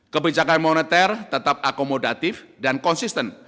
kebijakan moneter tetap akomodatif dan konsisten